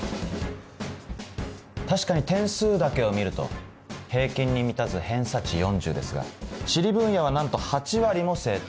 確かに点数だけを見ると平均に満たず偏差値４０ですが地理分野はなんと８割も正答。